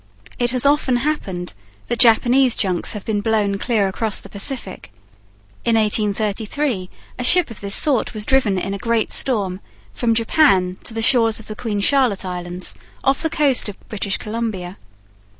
It has often happened that Japanese junks have been blown clear across the Pacific. In 1833 a ship of this sort was driven in a great storm from Japan to the shores of the Queen Charlotte Islands off the coast of British Columbia.